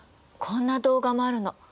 こんな動画もあるの。